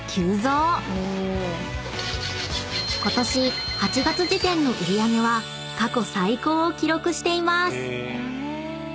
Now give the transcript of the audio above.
［ことし８月時点の売り上げは過去最高を記録しています］